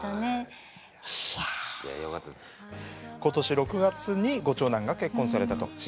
今年６月にご長男が結婚されたと。